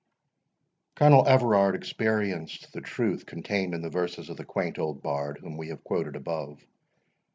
Colonel Everard experienced the truth contained in the verses of the quaint old bard whom we have quoted above.